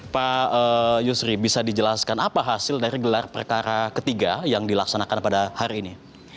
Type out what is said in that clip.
pak yusri bisa dijelaskan apa hasil dari gelar perkara ketiga yang dilaksanakan pada hari ini